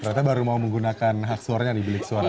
ternyata baru mau menggunakan hak suaranya di bilik suara